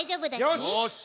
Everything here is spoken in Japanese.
よし！